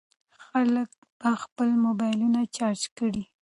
خلک به خپل موبایلونه چارج کړي.